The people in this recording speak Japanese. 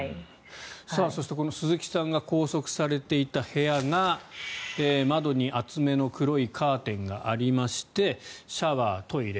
そして、この鈴木さんが拘束されていた部屋が窓に厚めの黒いカーテンがありましてシャワー、トイレ